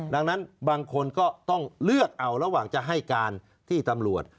ดังนั้นบางคนก็ต้องเลือกเอาระหว่างจะให้การที่ตำรวจ